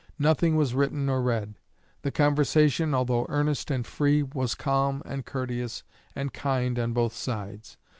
Nothing was written or read. The conversation, although earnest and free, was calm and courteous and kind on both sides.